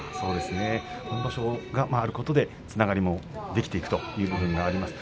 今場所があることでつながりができていくというのがあります。